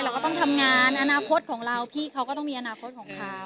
เราก็ต้องทำงานอนาคตของเราพี่เขาก็ต้องมีอนาคตของเขา